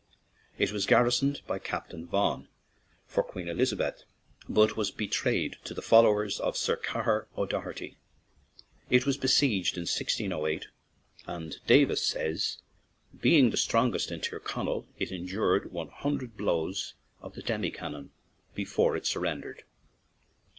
It was garrisoned by Captain Vaughan for Queen Elizabeth, but was betrayed to the fol lowers of Sir Cahir 0' Doner ty. It was besieged in 1608, and Davis says: " Be ing the strongest in Tyrconnell, it endured one hundred blows of the demi cannon be fore it surrendered."